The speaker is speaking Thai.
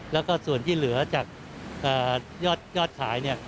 แล้วก็ส่วนที่เหลือจากยอดขายเนี่ย